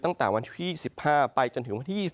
ตั้งแต่วันที่๒๕ไปจนถึงวันที่๒๒